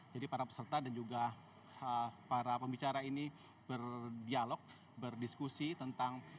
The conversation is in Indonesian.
jadi para peserta dan juga para pembicara ini berdialog berdiskusi tentang